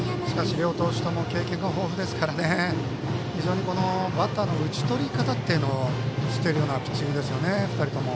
両投手とも経験が豊富ですから非常にバッターの打ち取り方というのを知っているようなピッチングですよね、２人とも。